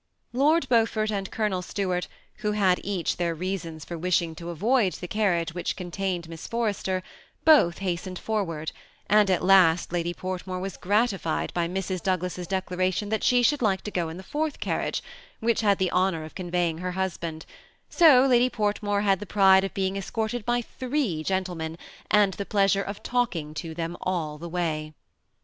Lord Beaufort and Colonel Stuart, who had each their reasons for wishing to avoid the carriage which contained Miss Forrester, both hastened forward, and at last Lady Portmore was gratified by Mrs. Douglas's declaration that stie should like to go in the fourth car riage, which had the honor of conveying her husband ; so Lady Portmore had the pride of being escorted by three gentlemen, and the pleasure of talking to them all the way.